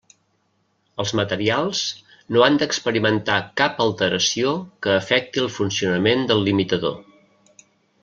Els materials no han d'experimentar cap alteració que afecti el funcionament del limitador.